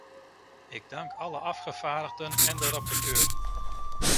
Ik dank alle afgevaardigden en de rapporteur.